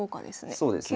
そうですね。